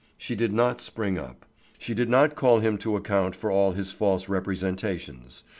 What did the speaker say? She did not spring up. She did not call him to account for all his false representations.